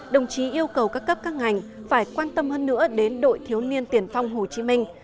đồng chí yêu cầu các cấp các ngành phải quan tâm hơn nữa đến đội thiếu niên tiền phong hồ chí minh